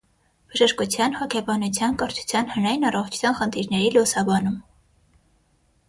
Բժշկության, հոգեբանության, կրթության, հանրային առողջության խնդիրների լուսաբանում։